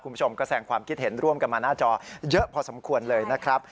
คุณผู้ชมก็แสงความคิดเห็นร่วมกันมาหน้าจอเยอะพอสมควรเลยนะครับ